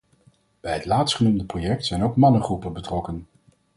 Bij het laatstgenoemde project zijn ook mannengroepen betrokken.